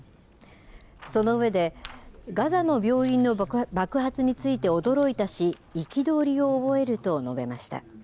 その上で、ガザの病院の爆発について驚いたし、憤りを覚えると述べました。